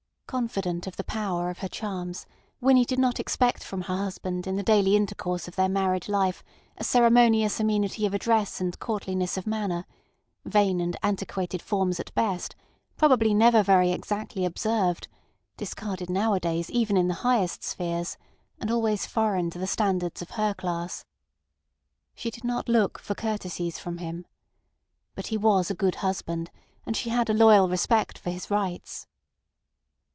Confident of the power of her charms, Winnie did not expect from her husband in the daily intercourse of their married life a ceremonious amenity of address and courtliness of manner; vain and antiquated forms at best, probably never very exactly observed, discarded nowadays even in the highest spheres, and always foreign to the standards of her class. She did not look for courtesies from him. But he was a good husband, and she had a loyal respect for his rights.